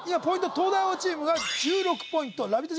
東大王チームが１６ポイントラヴィット！